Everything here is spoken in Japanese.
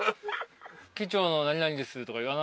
「機長の何々です」とかいう